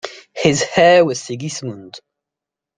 His heir was Sigismund.